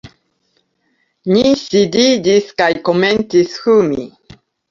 Ni sidiĝis kaj komencis fumi.